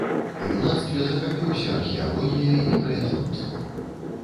У юнацтве захапіўся археалогіяй і краязнаўствам.